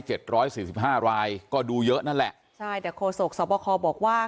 ร้อยสี่สิบห้ารายก็ดูเยอะนั่นแหละใช่แต่โฆษกสอบคอบอกว่า